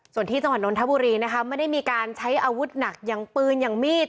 ส่วนที่จังหวัดนทบุรีนะคะไม่ได้มีการใช้อาวุธหนักอย่างปืนอย่างมีด